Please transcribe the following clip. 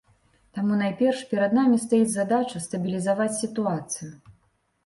Таму найперш перад намі стаіць задача стабілізаваць сітуацыю.